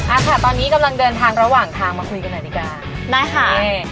อ่ะค่ะตอนนี้กำลังเดินทางระหว่างทางมาคุยกันหน่อยดีกว่าได้ค่ะนี่